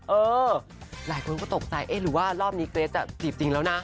เออหลายคนก็ตกใจเอ๊ะหรือว่ารอบนี้เกรทจะจีบจริงแล้วนะ